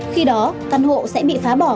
khi đó căn hộ sẽ bị phá bỏ